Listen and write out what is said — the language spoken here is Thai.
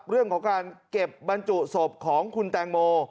เรื่องของการเก็บบรรจุศพของคุณแตงโม